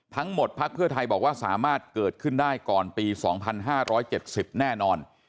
พักเพื่อไทยบอกว่าสามารถเกิดขึ้นได้ก่อนปี๒๕๗๐แน่นอน